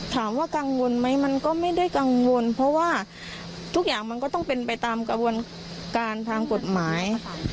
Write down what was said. ถามว่ากังวลไหมมันก็ไม่ได้กังวลเพราะว่าทุกอย่างมันก็ต้องเป็นไปตามกระบวนการทางกฎหมาย